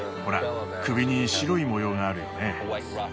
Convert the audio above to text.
ほら首に白い模様があるよね。